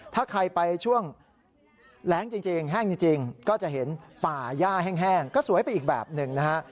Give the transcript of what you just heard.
ถ้าใครไปช่วงแรงจริงแห้งจริงก็จะเห็นป่าย่าแห้งก็สวยไปอีกแบบหนึ่งนะฮะ